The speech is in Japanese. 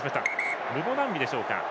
ムボナンビでしょうか。